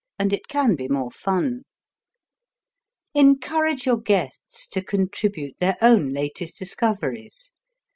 And it can be more fun. Encourage your guests to contribute their own latest discoveries.